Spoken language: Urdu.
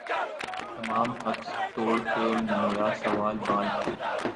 تمام عکس توڑ کے مرا سوال بانٹ کے